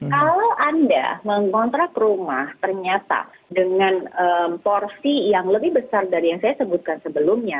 kalau anda mengontrak rumah ternyata dengan porsi yang lebih besar dari yang saya sebutkan sebelumnya